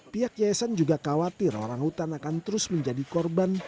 pihak yayasan juga khawatir orang hutan akan terus menjadi korban